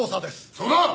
そうだ！